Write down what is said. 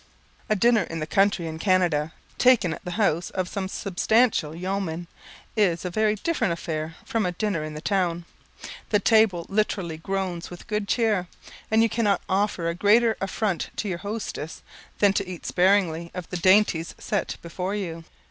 A dinner in the country in Canada, taken at the house of some substantial yeoman, is a very different affair from a dinner in the town. The table literally groans with good cheer; and you cannot offer a greater affront to your hostess, than to eat sparingly of the dainties set before you.